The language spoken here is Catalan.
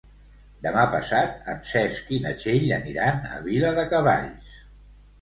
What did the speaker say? Demà passat en Cesc i na Txell aniran a Viladecavalls.